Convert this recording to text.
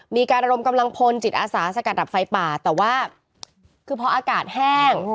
มีการระดมกำลังพลจิตอาสาสกัดดับไฟป่าแต่ว่าคือพออากาศแห้ง